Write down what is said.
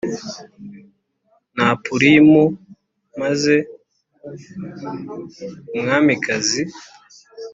na Purimu maze umwamikazi